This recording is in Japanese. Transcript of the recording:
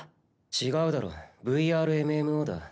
違うだろＶＲＭＭＯだ。